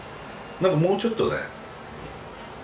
何かもうちょっとね